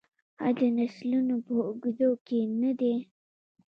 آیا د نسلونو په اوږدو کې نه دی؟